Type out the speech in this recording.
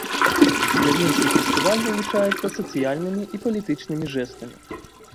Берлінскі фестываль вылучаецца сацыяльнымі і палітычнымі жэстамі.